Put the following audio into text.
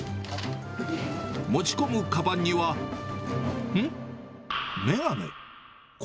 持ち込むかばんには、ん？眼鏡。